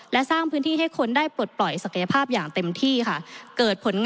และสร้างพื้นที่ให้คนได้ปลดปล่อยศักยภาพอย่างเต็มที่ค่ะ